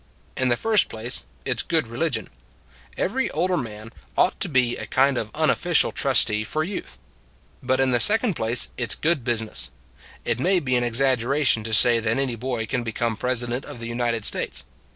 In the first place, it s good re ligion. Every older man ought to be a 138 It s a Good Old World kind of unofficial trustee for youth. But in the second place it s good business. It may be an exaggeration to say that any boy can become President of the United States.